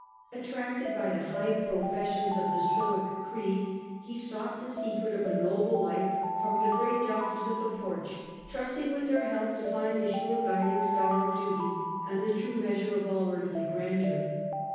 Attracted by the high professions of the Stoic creed, he sought the secret of a noble life from the great doctors of the Porch, trusting with their help to find a sure guiding who looked star of duty, and the true measure of all to the stoic earthly grandeur.